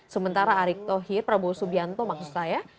sementara erick thohir prabowo subianto maksud saya